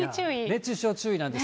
熱中症注意なんです。